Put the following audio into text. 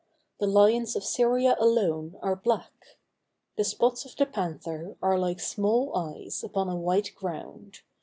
The lions of Syria alone are black. The spots of the panther are like small eyes, upon a white ground.